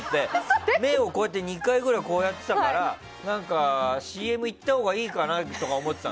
目を２回ぐらいこうやってたからＣＭ行ったほうがいいのかなとか思ってたの。